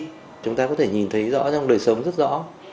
các lễ nghi chúng ta có thể nhìn thấy rõ trong đời sống rất rõ